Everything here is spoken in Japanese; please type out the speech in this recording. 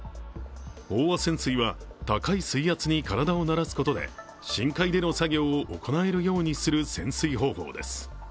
飽和潜水は高い水圧に体を慣らすことで深海での作業を行えるようにする潜水方法です。